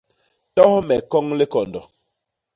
Tos me koñ likondo.